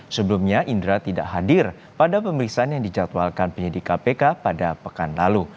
sebelumnya indra tidak hadir pada pemeriksaan yang dijadwalkan penyidik kpk pada pekan lalu